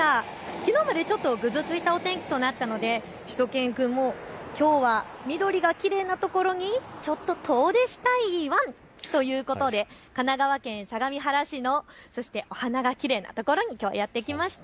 きのうまでちょっとぐずついたお天気となったのでしゅと犬くんもきょうは緑がきれいなところにちょっと遠出したいワンということで神奈川県相模原市のお花がきれいなところに、きょうやって来ました。